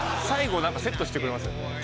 最後なんかセットしてくれますよね。